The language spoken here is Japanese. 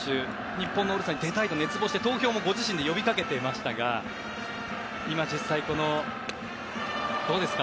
日本のオールスターに出たいと熱望して投票もご自身で呼びかけていましたが今、実際どうですか？